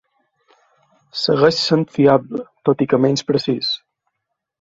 Segueix sent fiable, tot i que menys precís.